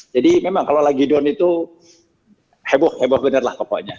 jadi memang kalau lagi down itu heboh heboh bener lah pokoknya